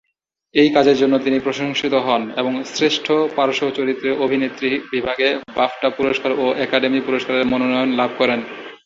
এই কাজের জন্য তিনি প্রশংসিত হন এবং শ্রেষ্ঠ পার্শ্বচরিত্রে অভিনেত্রী বিভাগে বাফটা পুরস্কার ও একাডেমি পুরস্কারের মনোনয়ন লাভ করেন।